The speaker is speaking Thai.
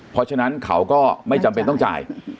เพราะฉะนั้นเขาก็ไม่จำเป็นต้องจ่าย